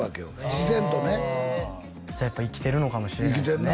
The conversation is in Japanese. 自然とねじゃあやっぱ生きてるのかもしれないですね